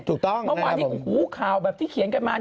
ถูกต้องแล้วผมคุอว่ามันวรั่งที่เขียนกันมา